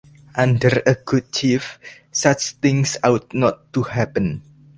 Under a good chief, such things ought not to happen.